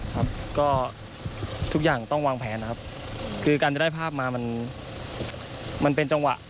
ครับก็ทุกอย่างต้องวางแผนนะครับคือการจะได้ภาพมามันมันเป็นจังหวะ